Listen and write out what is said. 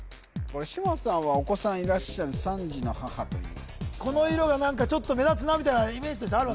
嶋さんはお子さんいらっしゃる３児の母というこの色が何かちょっと目立つなみたいなイメージとしてある？